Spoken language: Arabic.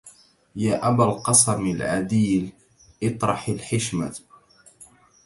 يا أبا القاسم العديل اطرح الحشمة